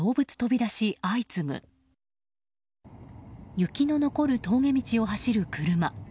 雪の残る峠道を走る車。